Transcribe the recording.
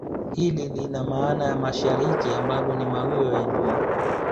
Hili lina maana ya mashariki ambako ni mawio ya jua